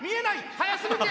速すぎて。